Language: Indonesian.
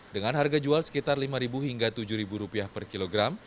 dengan harga jual sekitar rp lima hingga rp tujuh per kilogram